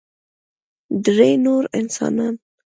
درې نور انسانان